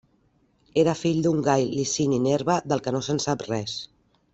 Era fill d'un Gai Licini Nerva del que no se'n sap res.